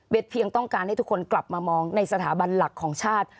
เพียงต้องการให้ทุกคนกลับมามองในสถาบันหลักของชาติ